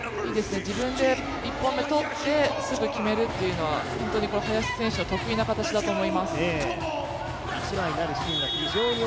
自分で１本目取ってすぐ決めるというのは本当に林選手の得意な形だと思います。